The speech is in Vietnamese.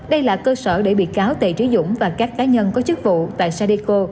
đây là cơ sở để bị cáo tề trí dũng và các cá nhân có chức vụ tại sadeco